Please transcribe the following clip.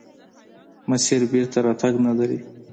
مسیر بېرته راتګ نلري.